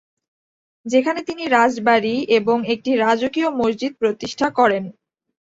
যেখানে তিনি একটি রাজবাড়ী এবং একটি রাজকীয় মসজিদ প্রতিষ্ঠা করেন।